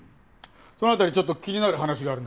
そのあたりちょっと気になる話があるんだけど。